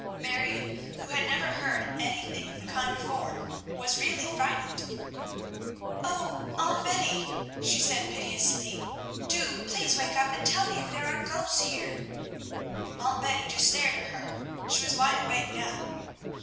Marion, who had never heard anything of the kind before, was really frightened. "O Aunt Betty," she said piteously, "do, please, wake up and tell me if there are ghosts here!" Aunt Betty just stared at her; she was wide awake now.